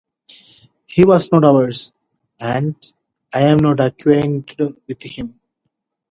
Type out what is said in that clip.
He was not ours, and I am not acquainted with him.